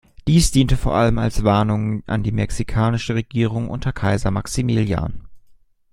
Dies diente vor allem als Warnung an die mexikanische Regierung unter Kaiser Maximilian.